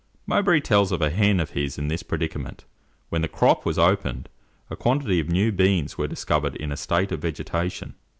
Mowbray tells of a hen of his in this predicament; when the crop was opened, a quantity of new beans were discovered in a state of vegetation.